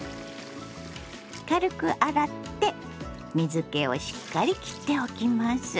軽く洗って水けをしっかりきっておきます。